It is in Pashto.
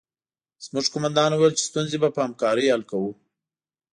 زموږ قومندان وویل چې ستونزې به په همکارۍ حل کوو